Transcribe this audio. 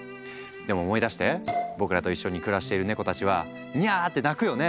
でも思い出して僕らと一緒に暮らしているネコたちは「にゃ」って鳴くよね？